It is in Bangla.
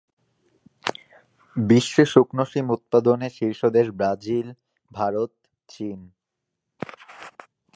বিশ্বে শুকনো শিম উৎপাদনে শীর্ষ দেশ ব্রাজিল, ভারত, চীন।